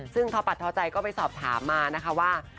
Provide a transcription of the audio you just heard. ซึ่งทอปัดทอใจก็ไปสอบถามมานะคะว่า